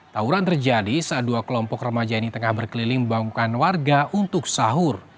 tawuran terjadi saat dua kelompok remaja ini tengah berkeliling membangunkan warga untuk sahur